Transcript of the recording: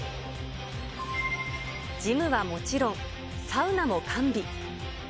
ジムはもちろん、サウナも完備。